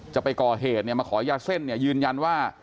จะไปก่อเหตุมาขอยาเส้นยืนยันว่า